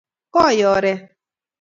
koi oret